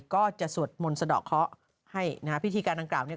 ก็จะสวดมนต์สะดอกเคาะให้นะฮะพิธีการดังกล่าวเนี่ย